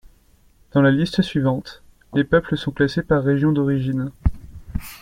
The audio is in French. Dans la liste suivante, les peuples sont classés par région d'origine.